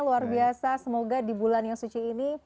luar biasa semoga di bulan yang suci ini